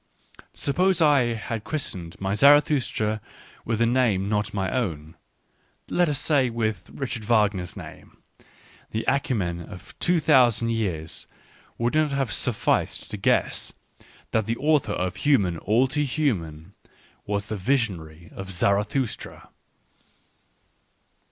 Suppose I had christened my Zarathustra with a name not my own, — let us say with Richard Wagner's name, — the acumen of two thousand years would not have sufficed to guess that the author of Human, all too Human was the visionary of Zarathustra.